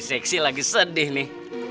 aku mau ke rumah